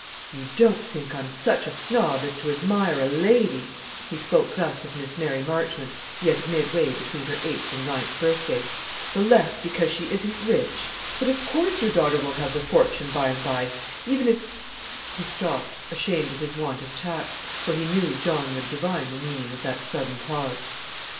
"You don't think I'm such a snob as to admire a lady" he spoke thus of Miss Mary Marchmont, yet midway between her eighth and ninth birthday "the less because she isn't rich? But of course your daughter will have the fortune by and by, even if " He stopped, ashamed of his want of tact; for he knew John would divine the meaning of that sudden pause.